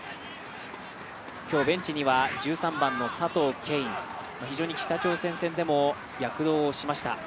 今日、ベンチには１３番の佐藤恵允非常に北朝鮮戦でも躍動しました。